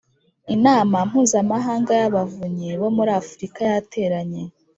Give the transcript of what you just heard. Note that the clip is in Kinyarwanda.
Inama mpuzamahanga y abavunyi bo muri Afurika yateranye